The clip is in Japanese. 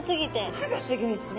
歯がすギョいっすね